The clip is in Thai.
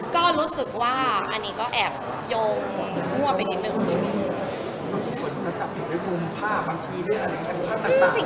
ก็รู้สึกว่าอันนี้ก็แอบโยงงั่วไปนิดนึง